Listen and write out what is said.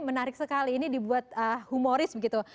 menarik sekali ini dibuat humoris begitu